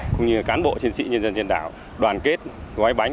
cũng như cán bộ chiến sĩ nhân dân trên đảo đoàn kết gói bánh